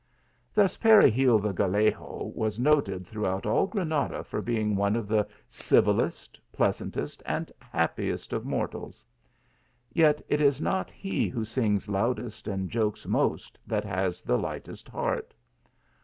Thus Peregil the Gallego was noted through out all Granada for being one of the civilest, pleas. int est, and happiest of mortals. Yet it is not he who sings loudest and jokes most that has the lightest heart.